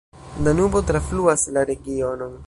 Danubo trafluas la regionon.